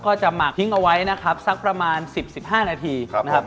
หมากทิ้งเอาไว้นะครับสักประมาณ๑๐๑๕นาทีนะครับ